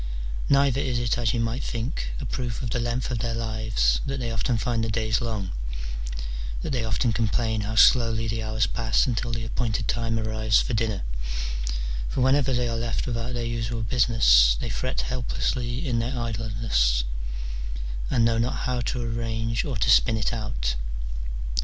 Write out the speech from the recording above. Neither is it, as you might think, a proof of the length of their lives that they often find the days long, that they often com plain how slowly the hours pass until the appointed time arrives for dinner : for whenever they are left without their usual business, they fret helplessly in their idleness, and Jknow not how to arrange or to spin it out.